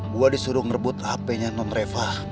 gue disuruh ngerebut handphonenya nonreva